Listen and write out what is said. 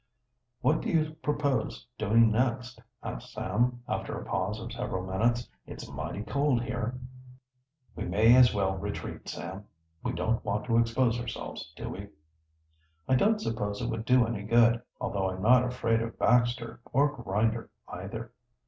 "What do you propose doing next?" asked Sam, after a pause of several minutes. "It's mighty cold here." "We may as well retreat, Sam. We don't want to expose ourselves, do we?" "I don't suppose it would do any good although I'm not afraid of Baxter, or Grinder either."